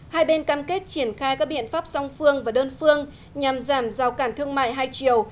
hai bên cam kết triển khai các biện pháp song phương và đơn phương nhằm giảm giao cản thương mại hai chiều